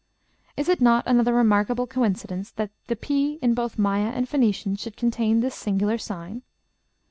Is it not another remarkable coincidence that the p, in both Maya and Phoenician, should contain this singular sign?